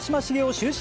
終身